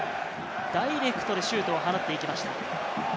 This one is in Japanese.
ダイレクトでシュートを放っていきました。